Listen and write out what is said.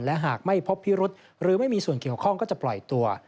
และหากไม่พบพิรุษหรือไม่มีส่วนเกี่ยวข้องก็จะปล่อยตัว